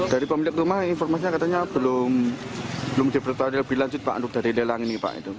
dari pemilik rumah informasinya katanya belum diberitahui lebih lanjut pak dari lelang ini pak